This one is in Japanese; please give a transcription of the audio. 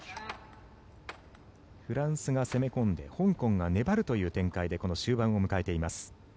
フランスが攻め込んで香港が粘るという展開でこの終盤を迎えています。